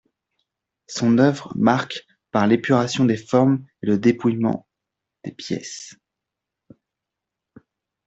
Son œuvre marque par l'épuration des formes et le dépouillement des pièces.